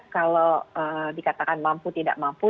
kalau dikatakan mampu tidak mampu